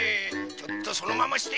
ちょっとそのままにして！